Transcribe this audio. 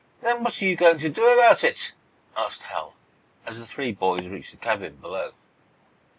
"Then what are you going to do about it?" asked Hal, as the three boys reached the cabin below.